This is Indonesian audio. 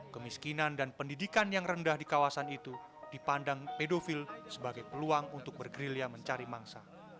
kemiskinan dan pendidikan yang rendah di kawasan itu dipandang pedofil sebagai peluang untuk bergerilya mencari mangsa